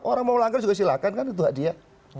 orang mau melanggar juga silakan kan itu hadiah